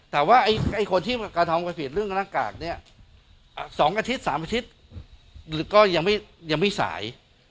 แต่ว่าคนที่กระทำผิดเรื่องนักกากสองอาทิตย์สามอาทิตย์หรือก็ยังไม่สาย